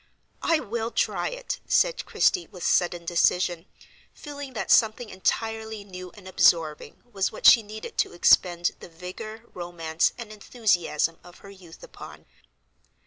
"I will try it!" said Christie, with sudden decision, feeling that something entirely new and absorbing was what she needed to expend the vigor, romance, and enthusiasm of her youth upon.